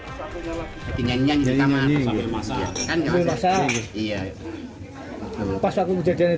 sebelum tiba di lokasi tersangka berusaha melarikan diri